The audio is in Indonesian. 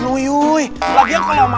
kalian yakin emangnya